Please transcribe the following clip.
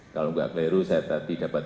kalau enggak kleru saya tadi dapat